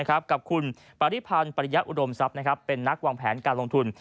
กับคุณปริพันธ์ปริยะอุดมทรัพย์เป็นนักวางแผนการลงทุน